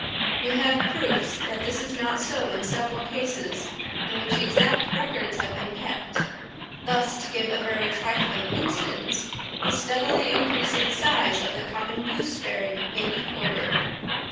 We have proofs that this is not so in several cases in which exact records have been kept; thus, to give a very trifling instance, the steadily increasing size of the common gooseberry may be quoted.